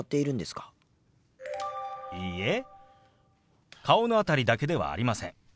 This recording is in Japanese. いいえ顔の辺りだけではありません。